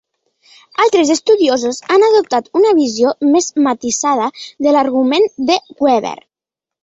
Altres estudiosos han adoptat una visió més matisada de l'argument de Weber.